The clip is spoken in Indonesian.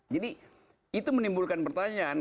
jadi itu menimbulkan pertanyaan